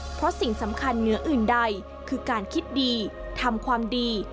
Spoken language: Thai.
เพราะสิ่งสำคัญเหนืออื่นใดคือการคิดดีทำความดี